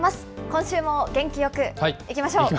今週も元気よくいきましょう。